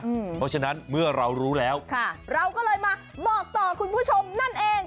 เพราะฉะนั้นเมื่อเรารู้แล้วเราก็เลยมาบอกต่อคุณผู้ชมนั่นเอง